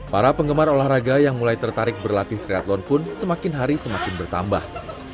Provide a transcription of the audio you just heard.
para penggemar olahraga yang mulai tertarik berlatih triathlon pun semakin hari semakin bertambah